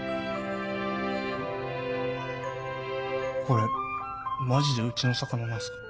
これマジでうちの魚なんすか？